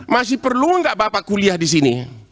masih perlu nggak bapak kuliah di sini